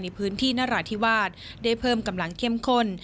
ในพื้นที่นราธิวาสได้เพิ่มกำลังเข้มข้น